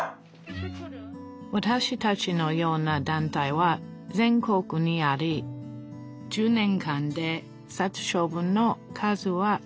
わたしたちのような団体は全国にあり１０年間で殺処分の数は８分の１になっています